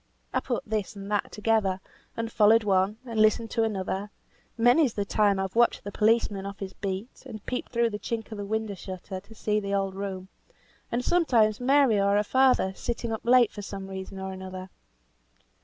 I put this and that together, and followed one, and listened to the other; many's the time I've watched the policeman off his beat, and peeped through the chink of the window shutter to see the old room, and sometimes Mary or her father sitting up late for some reason or another.